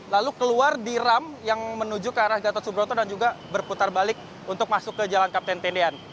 lalu keluar di ram yang menuju ke arah gatot subroto dan juga berputar balik untuk masuk ke jalan kapten tendian